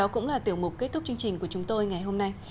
chương trình của chúng tôi ngày hôm nay